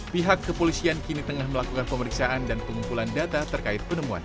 pihak kepolisian kini tengah melakukan pemeriksaan dan pengumpulan data terkait penemuan